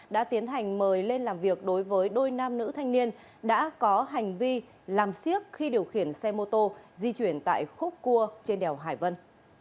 đã tiến hành mời lên làm việc đối với đôi nam nữ thanh niên đã có hành vi làm siếc khi điều khiển xe mô tô di chuyển tại khúc cua trên đèo hải vân